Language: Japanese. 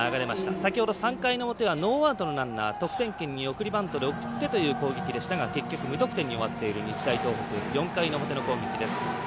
先ほど、３回の表はノーアウトのランナー得点圏に送りバントで送ってという攻撃でしたが結局、無得点に終わっている日大東北、４回の表の攻撃です。